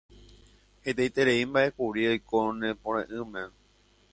hetaiterei mba'e kuri oiko ne pore'ỹme